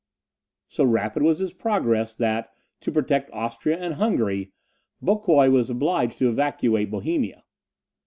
So rapid was his progress that, to protect Austria and Hungary, Boucquoi was obliged to evacuate Bohemia.